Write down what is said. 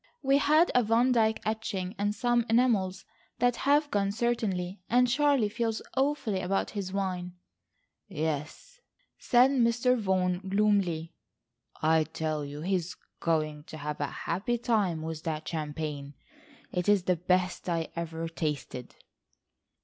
"We had a Van Dyke etching, and some enamels that have gone certainly, and Charlie feels awfully about his wine." "Yes," said Mr. Vaughan gloomily. "I tell you he is going to have a happy time with that champagne. It is the best I ever tasted."